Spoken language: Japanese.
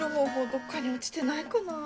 どっかに落ちてないかな。